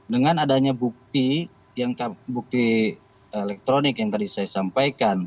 dengan adanya bukti elektronik yang tadi saya sampaikan